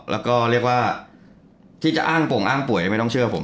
แล้วก็เรียกว่าที่จะอ้างปงอ้างป่วยไม่ต้องเชื่อผม